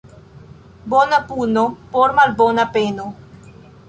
Bona puno por malbona peno.